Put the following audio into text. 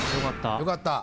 よかった。